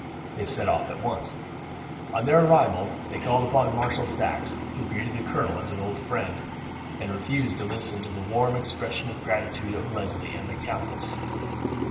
They set off at once. On their arrival there they called upon Marshal Saxe, who greeted the colonel as an old friend, and refused to listen to the warm expression of gratitude of Leslie and the countess.